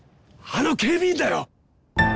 あの警備員だよ！